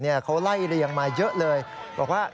เขาไล่เรียงมาเยอะเลยบอกว่า